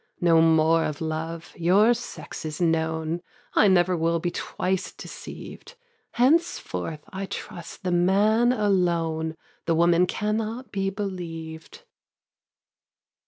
'No more of love; your sex is known: I never will be twice deceived. Henceforth I trust the man alone, The woman cannot be believed.